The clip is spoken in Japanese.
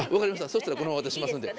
そしたらこのまま渡しますんで。